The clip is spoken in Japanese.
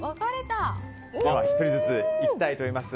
１人ずついきたいと思います。